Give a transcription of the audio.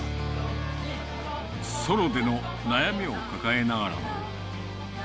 ソロでの悩みを抱えながら。